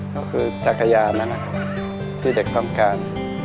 ก็คือจักรยานนั่นครับที่เด็กต้องการ